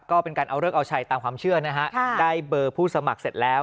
ก็เป็นการเอาเลิกเอาชัยตามความเชื่อนะฮะได้เบอร์ผู้สมัครเสร็จแล้ว